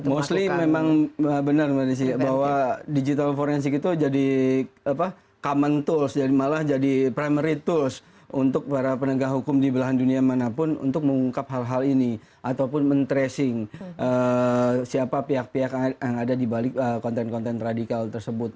mostly memang benar mbak desi bahwa digital forensik itu jadi common tools jadi malah jadi primary tools untuk para penegak hukum di belahan dunia manapun untuk mengungkap hal hal ini ataupun men tracing siapa pihak pihak yang ada di balik konten konten radikal tersebut